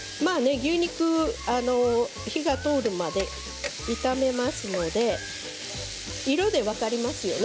牛肉に火が通るまで炒めますので色で分かりますよね。